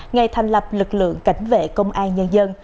ngày thành lập lực lượng cảnh vệ công an nhân dân